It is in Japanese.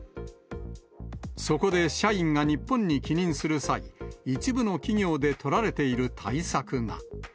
そこで社員が日本に帰任する際、一部の企業で取られている対策が。